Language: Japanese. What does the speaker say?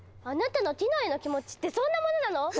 あなたのティノへの気持ちってそんなものなの？